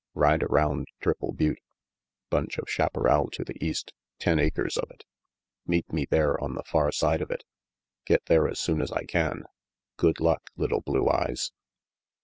Ride around Triple Butte bunch of chaparral to the east, ten acres of it. Meet me there on the far side of it get there as soon as I can Good luck, little Blue Eyes."